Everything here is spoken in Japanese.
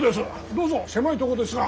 どうぞ狭いとこですが。